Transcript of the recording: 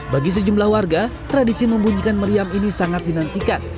bagi sejumlah warga tradisi membunyikan meriam ini sangat dinantikan